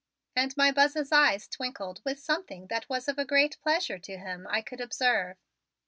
And my Buzz's eyes twinkled with something that was of a great pleasure to him I could observe.